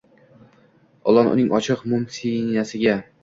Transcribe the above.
Ilon uning ochiq, mum siynasiga